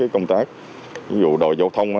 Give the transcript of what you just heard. công tác ví dụ đội giao thông